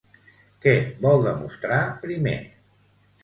Què vol demostrar primer?